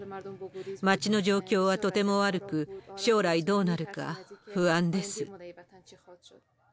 街の状況はとても悪く、将来どうなるか不安です。